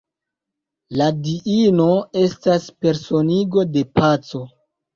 La diino estas personigo de paco.